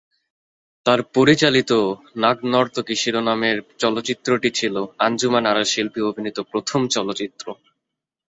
তার পরিচালিত "নাগ নর্তকী" শিরোনামের চলচ্চিত্রটি ছিল আঞ্জুমান আরা শিল্পী অভিনীত প্রথম চলচ্চিত্র।